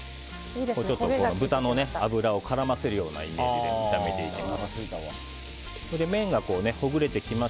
豚の脂を絡ませるようなイメージで炒めます。